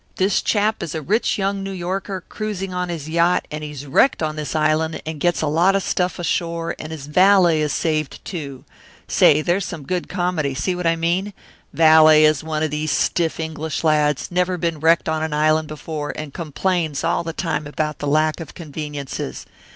This chap is a rich young New Yorker, cruising on his yacht, and he's wrecked on this island and gets a lot of stuff ashore and his valet is saved, too say there's some good comedy, see what I mean? valet is one of these stiff English lads, never been wrecked on an island before and complains all the time about the lack of conveniences.